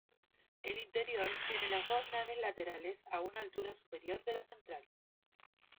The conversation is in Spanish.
El interior tiene las dos naves laterales a una altura superior de la central.